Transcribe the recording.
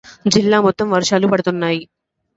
జిల్లా మొత్తం వర్షాలు పడ్డాయి.